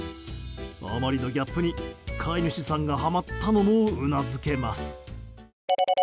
あまりのギャップに飼い主さんがはまったのもうなずけます。